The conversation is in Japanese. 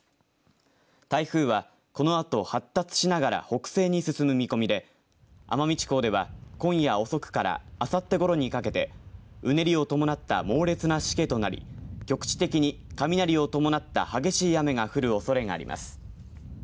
台風はこのあと発達しながら北西に進む見込みで奄美地方では今夜遅くからあさってごろにかけてうねりを伴った猛烈なしけとなり局地的に雷を伴った激しい雨が降るおそれがあります。